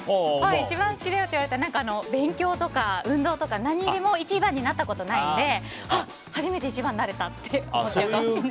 １番好きだよって言われたら勉強とか運動とか何にでも１番になったことないので初めて１番になれたって。